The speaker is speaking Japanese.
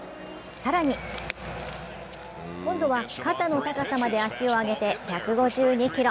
更に今度は肩の高さまで足を上げて１５２キロ。